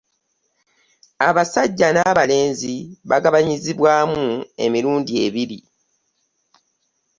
Abasajja n'abalenzi bagabanyizibwamu emirundi ebiri